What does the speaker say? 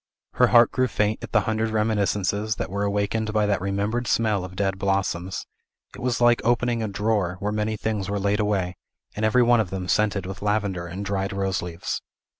Her heart grew faint at the hundred reminiscences that were awakened by that remembered smell of dead blossoms; it was like opening a drawer, where many things were laid away, and every one of them scented with lavender and dried rose leaves.